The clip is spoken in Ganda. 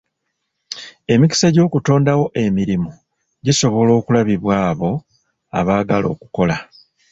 Emikisa gy'okutondawo emirimu gisobola kulabibwa abo abaagala okukola.